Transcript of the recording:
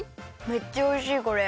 めっちゃおいしいこれ！